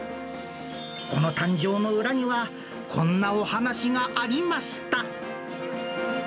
この誕生の裏には、こんなお話がありました。